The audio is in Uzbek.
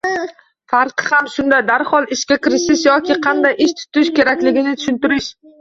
Farqi ham shunda: darhol ishga kirishish yoki qanday ish tutish kerakligini tushuntirish.